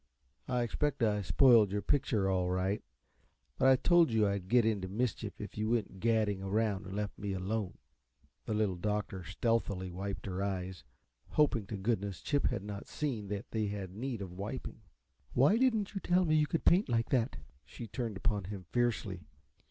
"I expect I spoiled your picture, all right but I told you I'd get into mischief if you went gadding around and left me alone." The Little Doctor stealthily wiped her eyes, hoping to goodness Chip had not seen that they had need of wiping. "Why didn't you tell me you could paint like that?" She turned upon him fiercely.